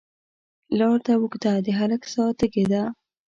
لار ده اوږده، د هلک ساه تږې ده